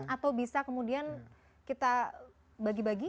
atau bisa kemudian kita bagi bagi